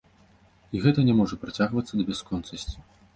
І гэта не можа працягвацца да бясконцасці.